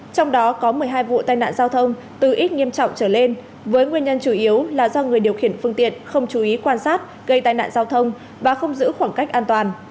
trong đó có một mươi hai vụ tai nạn giao thông từ ít nghiêm trọng trở lên với nguyên nhân chủ yếu là do người điều khiển phương tiện không chú ý quan sát gây tai nạn giao thông và không giữ khoảng cách an toàn